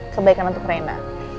kebaikan untuk rena